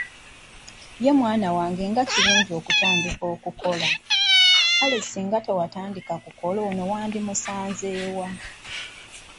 Ye mwana wange nga kirungi n'otandika okukola, kale singa siwatandika kukola ono wandimusanze wa?